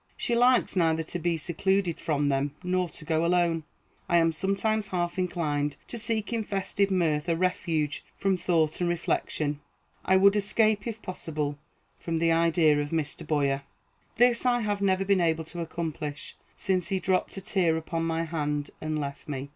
She likes neither to be secluded from them nor to go alone. I am sometimes half inclined to seek in festive mirth a refuge from thought and reflection. I would escape, if possible, from the idea of Mr. Boyer. This I have never been able to accomplish since he dropped a tear upon my hand and left me.